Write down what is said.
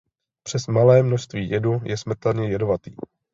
Přes malé množství jedu je smrtelně jedovatý.